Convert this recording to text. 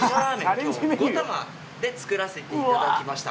今日５玉で作らせていただきました。